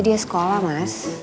dia sekolah mas